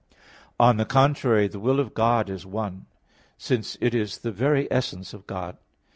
On the contrary, The will of God is one, since it is the very essence of God.